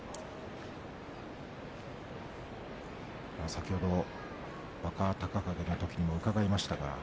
先ほど若隆景のときも伺いました。